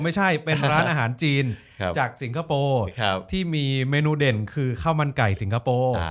ไม่ใช่เป็นร้านอาหารจีนจากสิงคโปร์ที่มีเมนูเด่นคือข้าวมันไก่สิงคโปร์